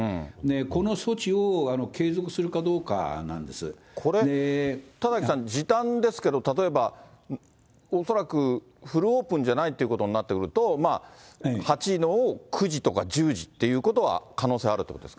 この措置を継続するかどうかなんこれ、田崎さん、時短ですけれども、例えば、恐らくフルオープンじゃないっていうことになってくると、８時を９時とか１０時っていうことは可能性はあるということです